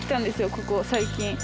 ここ最近。